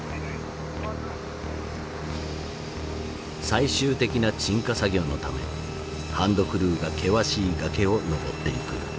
最終的な鎮火作業のためハンドクルーが険しい崖を登っていく。